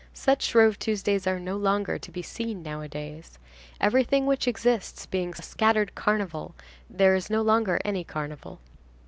Such Shrove Tuesdays are no longer to be seen nowadays. Everything which exists being a scattered Carnival, there is no longer any Carnival.